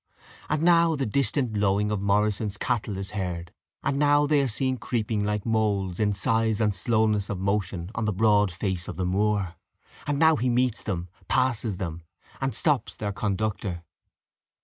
And now the distant lowing of Morrison's cattle is heard; and now they are seen creeping like moles in size and slowness of motion on the broad face of the moor; and now he meets them, passes them, and stops their conductor.